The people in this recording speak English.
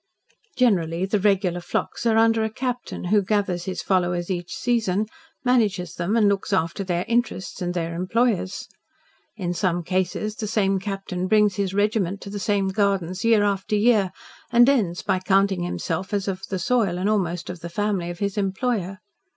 Generally the regular flocks are under a "captain," who gathers his followers each season, manages them and looks after their interests and their employers'. In some cases the same captain brings his regiment to the same gardens year after year, and ends by counting himself as of the soil and almost of the family of his employer.